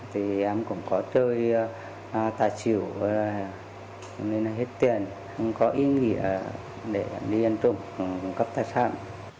thì em cũng có chơi tà chiểu nên là hết tiền em có ý nghĩa để đi ăn trộm cấp thái sản